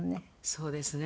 そうですね。